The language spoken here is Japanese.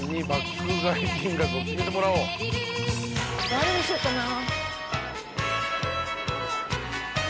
誰にしようかな？